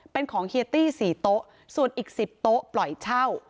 เป็นของเฮียตี้๔โต๊ะส่วนอีก๑๐โต๊ะปล่อยเช่า